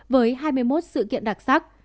với hai mươi một sự kiện đặc sắc